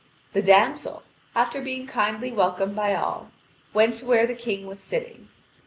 The damsel, after being kindly welcomed by all, went to where the King was sitting.